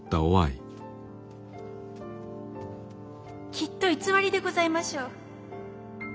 きっと偽りでございましょう。